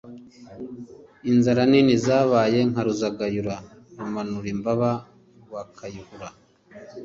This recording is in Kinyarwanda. inzara nini zabaye nka ruzagayura, rumanurimbaba, rwakayihura